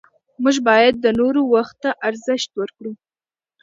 موږ باید د نورو وخت ته ارزښت ورکړو